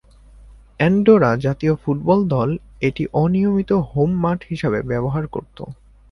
Andorra জাতীয় football দল এটি অনিয়মিত হোম মাঠ হিসাবে ব্যবহার করতো।